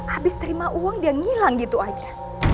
habis terima uang dia ngilang gitu aja